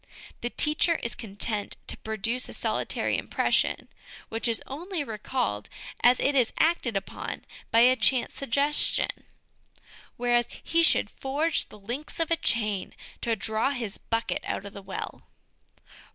The teacher is content to produce a solitary impression which is only recalled as it is acted upon by a chance sugges tion ; whereas he should forge the links of a chain to draw his bucket out of the well.